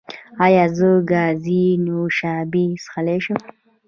ایا زه ګازي نوشابې څښلی شم؟